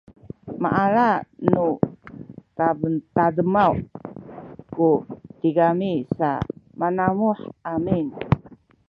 maala nu tademaw ku tigami sa manamuh amin